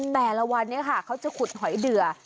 แต่ละวันนี้ค่ะเขาจะขุดหอยเดือ